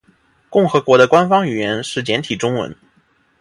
中华民国的官方语言是台湾华语。